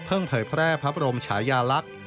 เผยแพร่พระบรมชายาลักษณ์